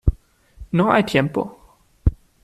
no hay tiempo.